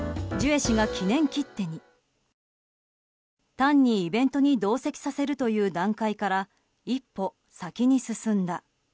単にイベントに同席させるという段階から一歩、先に進んだ。